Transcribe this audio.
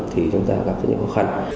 thì chúng ta gặp rất nhiều khó khăn